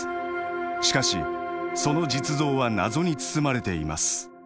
しかしその実像は謎に包まれています。